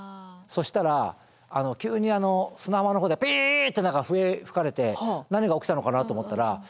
そしたら急に砂浜の方で「ピ！」って笛吹かれて何が起きたのかなと思ったらえ！